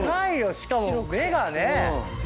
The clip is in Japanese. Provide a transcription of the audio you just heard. しかも目がね。